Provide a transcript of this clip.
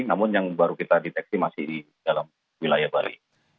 namun yang baru kita deteksi masih di dalam wilayah bali